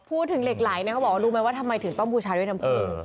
พูดถึงเหล็กไหลเนี่ยเขาบอกว่ารู้ไหมว่าทำไมถึงต้องบูชาด้วยน้ำพึ่ง